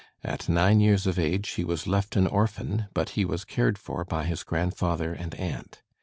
At nine years of age he was left an orphan, but he was cared for by his grandfather and aunt.